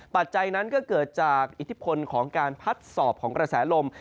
ปัจจัยนั้นก็เกิดจากอิทธิพลของการพัดสอบของกระแสลม